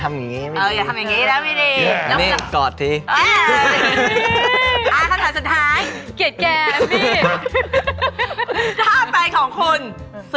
ผมอยากทำอย่างนี้